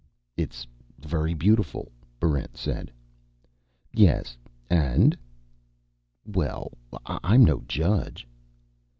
"It's very beautiful," Barrent said. "Yes. And?" "Well I'm no judge."